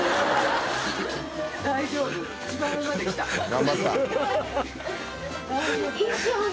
「頑張った！」